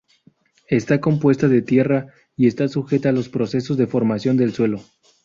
Está compuesta de tierra y está sujeta a los procesos de formación del suelo.